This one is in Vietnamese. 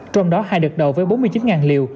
trong đó hai đợt đầu với bốn mươi chín liều